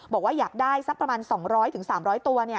บอกว่าอยากได้สักประมาณ๒๐๐๓๐๐ตัว